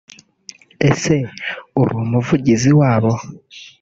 Ese uri umuvugizi wabo